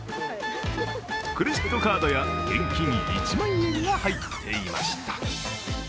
クレジットカードや現金１万円が入っていました。